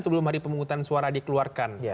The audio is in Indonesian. sebelum hari pemungutan suara dikeluarkan